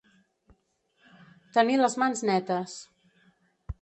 Tenir les mans netes.